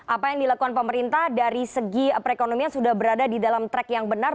apa yang dilakukan pemerintah dari segi perekonomian sudah berada di dalam track yang benar